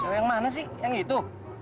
cewek yang mana sih yang itu